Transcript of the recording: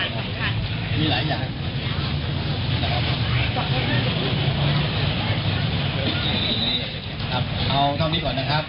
ขอบคุณทุกท่านนะครับ